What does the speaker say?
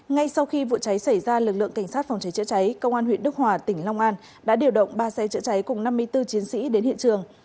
ngay sau khi vụ cháy xảy ra lực lượng cảnh sát phòng cháy chữa cháy công an huyện đức hòa tỉnh long an đã điều động ba xe chữa cháy cùng năm mươi bốn chiến sĩ đến hiện trường